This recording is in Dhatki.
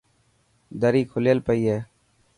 دري کليل پئي هي.